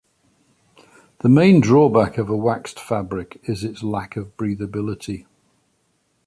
The main drawback of a waxed fabric is its lack of breathability.